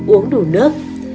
hai uống đủ nước